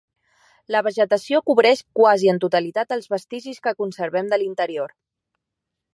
La vegetació cobreix quasi en totalitat els vestigis que conservem de l'interior.